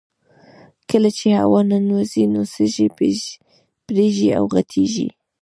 کله چې هوا ننوځي نو سږي پړسیږي او غټیږي